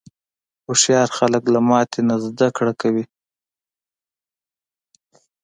هوښیار خلک له ماتې نه زده کوي.